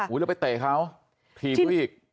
อุ้ยแล้วไปเตะเขาทีด้วยอีก